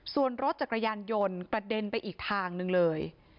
ส่วนรถจักรยานยนต์กระเด็นไปอีกทางหนึ่งเลย